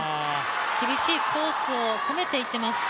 厳しいコースを攻めていってます。